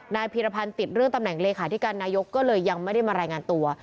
พีรพันธ์ติดเรื่องตำแหน่งเลขาธิการนายกก็เลยยังไม่ได้มารายงานตัว